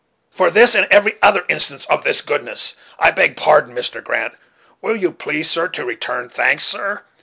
"'For this and every other instance of his goodness ' I beg pardon, Mr. Grant, will you please to return thanks, sir?